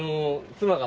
妻が？